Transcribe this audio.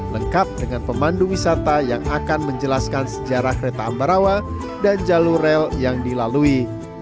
lengkap dengan pemandu wisata yang akan menjelaskan sejarah kereta ambarawa dan jalur rel yang dilalui